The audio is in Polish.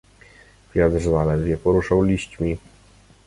"Wiatr zaledwie poruszał liśćmi."